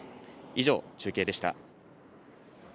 以上、中継でした。